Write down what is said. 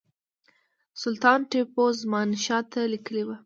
سلطان ټیپو زمانشاه ته لیکلي وه.